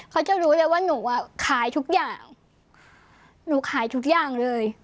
เขาจะรู้เลยว่าหนูอ่ะขายทุกอย่างหนูขายทุกอย่างเลย